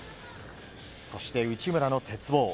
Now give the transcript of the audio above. そして内村の鉄棒。